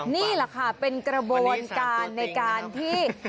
นี่แหละค่ะเป็นกระบวนการในการที่